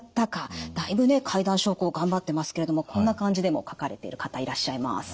だいぶね階段昇降頑張ってますけれどもこんな感じでも書かれている方いらっしゃいます。